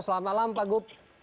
selamat malam pak gu